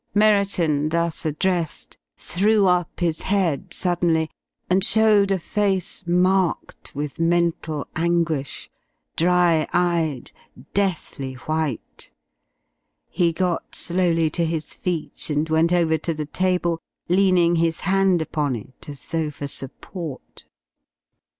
Merriton, thus addressed, threw up his head suddenly and showed a face marked with mental anguish, dry eyed, deathly white. He got slowly to his feet and went over to the table, leaning his hand upon it as though for support.